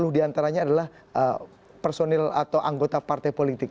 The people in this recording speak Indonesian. tiga puluh diantaranya adalah personil atau anggota partai politik